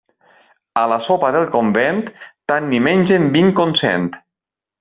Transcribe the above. A la sopa del convent tant n'hi mengen vint com cent.